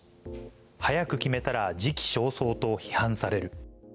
早く決めたら時期尚早と批判される。